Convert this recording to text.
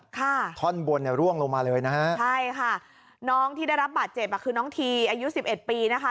ท่อนบนเนี่ยร่วงลงมาเลยนะฮะใช่ค่ะน้องที่ได้รับบาดเจ็บอ่ะคือน้องทีอายุสิบเอ็ดปีนะคะ